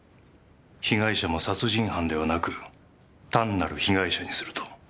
被害者も殺人犯ではなく単なる被害者にすると？